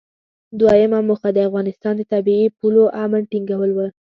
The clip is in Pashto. دویمه موخه د افغانستان د طبیعي پولو امن ټینګول و.